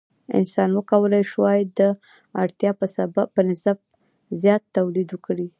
انسان وکولی شوای د اړتیا په نسبت زیات تولید وکړي.